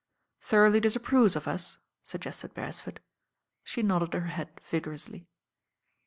"Thoroughly disapproves of us," suggested Beresford. She nodded her head vigorously.